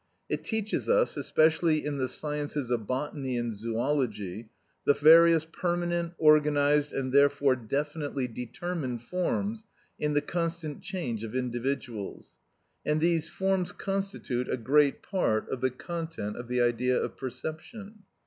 It teaches us, especially in the sciences of botany and zoology, the various permanent, organised, and therefore definitely determined forms in the constant change of individuals; and these forms constitute a great part of the content of the idea of perception.